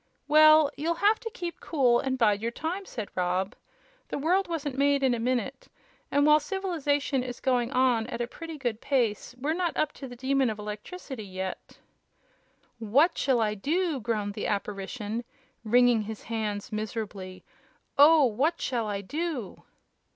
"Well, you'll have to keep cool and bide your time," said Rob. "The world wasn't made in a minute, and while civilization is going on at a pretty good pace, we're not up to the Demon of Electricity yet." "What shall I do!" groaned the Apparition, wringing his hands miserably; "oh, what shall I do!"